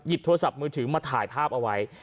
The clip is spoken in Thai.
โทรศัพท์มือถือมาถ่ายภาพเอาไว้